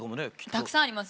たくさんあります。